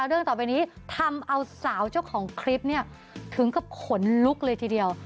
เรื่องต่อไปนี้ทำเอาสาวเจ้าของคลิปเนี่ยถึงกับขนลุกเลยทีเดียว